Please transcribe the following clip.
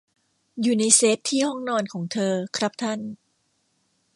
อยู่ในเซฟที่ห้องนอนของเธอ ครับท่าน